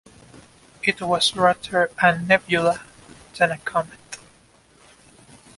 It was rather a nebula than a comet.